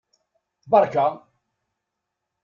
Berka!